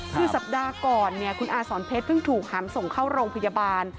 คือสัปดาห์ก่อนเนี่ยคุณอาสอนเพชรเพิ่งถูกหามส่งเข้าโรงพยาบาล